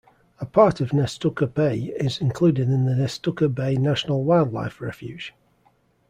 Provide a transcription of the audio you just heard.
A part of Nestucca Bay is included in the Nestucca Bay National Wildlife Refuge.